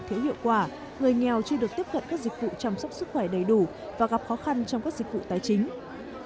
thiếu hiệu quả người nghèo chưa được tiếp cận các dịch vụ chăm sóc sức khỏe đầy đủ và gặp khó khăn trong các dịch vụ tài chính